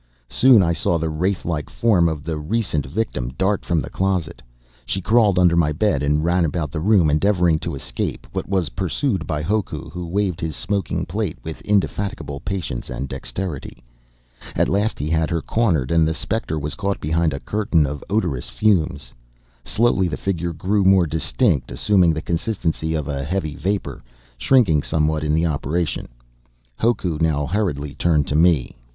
Soon, I saw the wraith like form of the recent victim dart from the closet. She crawled under my bed and ran about the room, endeavoring to escape, but was pursued by Hoku, who waved his smoking plate with indefatigable patience and dexterity. At last he had her cornered, and the specter was caught behind a curtain of odorous fumes. Slowly the figure grew more distinct, assuming the consistency of a heavy vapor, shrinking somewhat in the operation. Hoku now hurriedly turned to me.